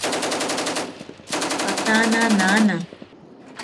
Jatana nana